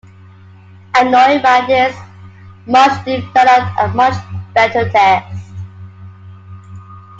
Annoyed by this, Marsh developed a much better test.